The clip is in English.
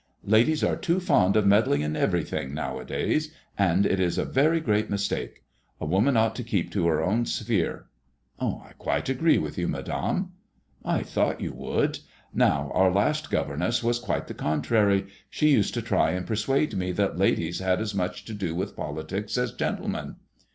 Ladies are too fond of med dling in everything now a days, and it is a very great mistake. A woman ought to keep to her own sphere." '' I quite agree with you, Madame." "I thought you would Now our last governess was quite the contrary. She used to try and persuade me that ladies had as much to do with politics as gentlemen."